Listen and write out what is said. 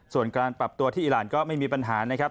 ส่วนการปรับตัวที่อีรานก็ไม่มีปัญหานะครับ